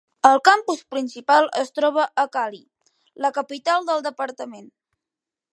El campus principal es troba a Cali, la capital del departament.